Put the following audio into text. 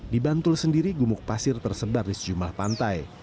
di bantul sendiri gumuk pasir tersebar di sejumlah pantai